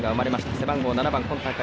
背番号７番今大会